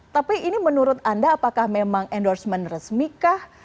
tapi ini menurut anda apakah memang endorsement resmikah